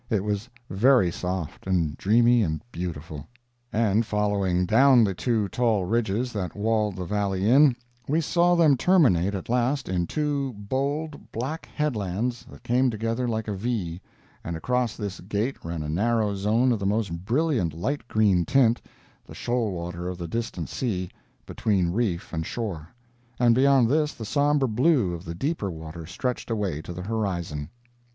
It was very soft, and dreamy, and beautiful. And following down the two tall ridges that walled the valley in, we saw them terminate at last in two bold, black headlands that came together like a V, and across this gate ran a narrow zone of the most brilliant light green tint (the shoal water of the distant sea, between reef and shore), and beyond this the somber blue of the deeper water stretched away to the horizon.